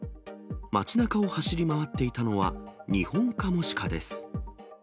街なかを走り回っていたのは、ニホンカモシカです。